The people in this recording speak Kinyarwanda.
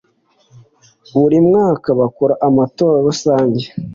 Buri mwaka bakora amatora rusange